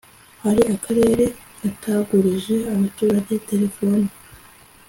hari akarere katagurije abaturage telefoni ?